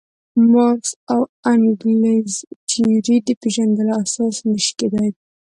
مارکس او انګلز تیورۍ د پېژندلو اساس نه شي کېدای.